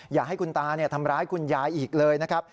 อย่าให้คุณตาทำร้ายคุณยายอีกเลยนะครับ